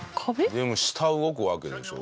でも下動くわけでしょ？